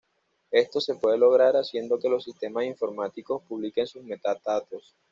Esto se puede lograr haciendo que los sistemas informáticos publiquen sus metadatos.